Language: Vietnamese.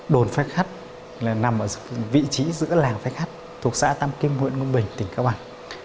đồn phế khắt nằm ở vị trí giữa làng phái khắt thuộc xã tam kim huyện ngân bình tỉnh cao bằng